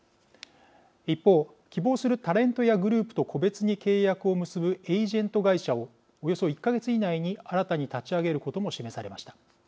一方希望するタレントやグループと個別に契約を結ぶエージェント会社をおよそ１か月以内に新たに立ち上げることも示されました。